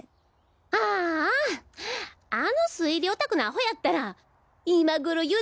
あぁあの推理オタクのアホやったら今頃よ